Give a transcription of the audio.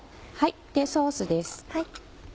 ソースです。